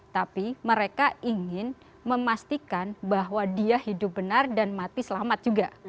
tapi mereka ingin memastikan bahwa dia hidup benar dan mati selamat juga